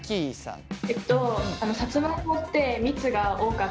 えっと